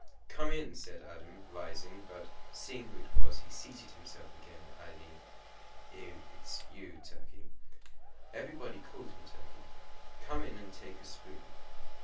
"Come in," said Adam, rising; but, seeing who it was, he seated himself again, adding, "Oh, it's you, Turkey!" Everybody called him Turkey. "Come in and take a spoon."